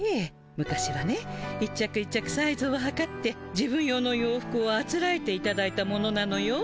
昔はね一着一着サイズをはかって自分用の洋服をあつらえていただいたものなのよ。